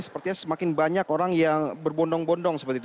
sepertinya semakin banyak orang yang berbondong bondong seperti itu